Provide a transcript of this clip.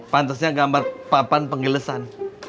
pantesnya gambar papan penggilesan